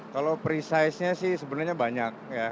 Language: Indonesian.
kalau precise nya sih sebenarnya banyak ya